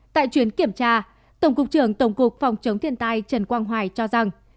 tại chuyến kiểm tra tổng cục trưởng tổng cục phòng chống thiên tai trần quang hoài cho rằng